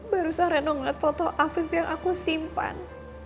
barusan reno melihat foto afif yang aku simpan